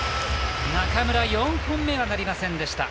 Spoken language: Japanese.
中村、４本目はなりませんでした。